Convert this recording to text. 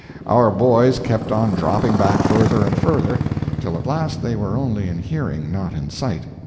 Our boys kept on dropping back further and further, till at last they were only in hearing, not in sight.